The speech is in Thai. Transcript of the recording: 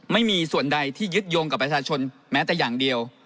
ไม่มีส่วนใดที่ยึดโยงกับประชาชนแม้แต่อย่างเดียว